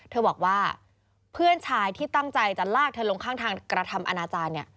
เธอบอกว่าเพื่อนชายที่ตั้งใจจะลากเธอลงข้างทางกระทำอนาจารย์